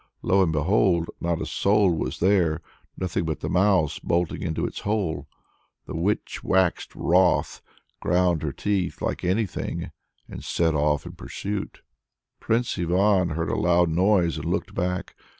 Lo and behold! not a soul was there, nothing but the mouse bolting into its hole! The witch waxed wroth, ground her teeth like anything, and set off in pursuit. Prince Ivan heard a loud noise and looked back.